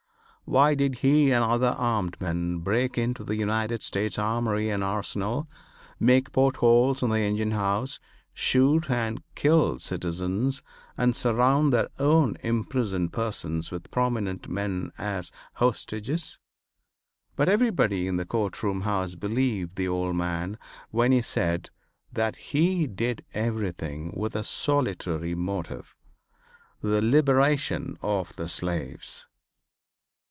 Why did he and other armed men, break into the United States Armory and Arsenal, make portholes in the engine house, shoot and kill citizens and surround their own imprisoned persons with prominent men as hostages? But everybody in the court house believed the old man when he said that he did everything with a solitary motive, the liberation of the slaves.